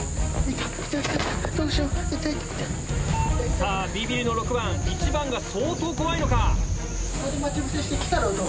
さぁビビりの６番１番が相当怖いのか？